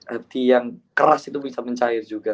hati yang keras itu bisa mencair juga